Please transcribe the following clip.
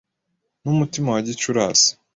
N'umutima wa Gicurasi.